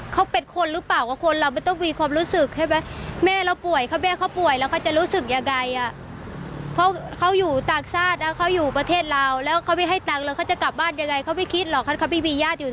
เค้าเป็นคนหรือเปล่าคนเราไม่ต้องมีความรู้สึกใช่ไหม